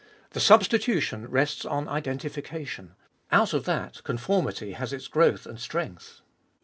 The substitution rests on identification : out of that conformity has its growth and strength.